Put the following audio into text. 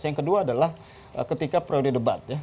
yang kedua adalah ketika periode debat ya